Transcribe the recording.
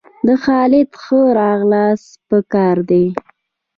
د خالد ښه راغلاست په کار دئ!